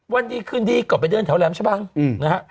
วันนี้ขึ้นดีกลับไปเดินแถวแรมชะบังนะฮะ